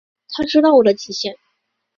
他知道我的极限